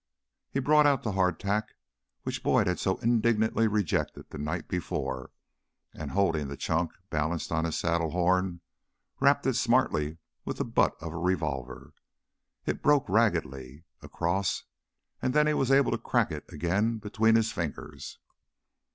He brought out the hardtack which Boyd had so indignantly rejected the night before, and holding the chunk balanced on his saddle horn, rapped it smartly with the butt of a revolver. It broke raggedly across, and then he was able to crack it again between his fingers.